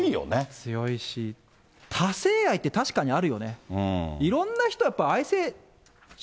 強いし、他性愛って確かにあるよね。